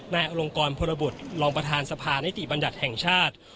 อลงกรพลบุตรรองประธานสภานิติบัญญัติแห่งชาติ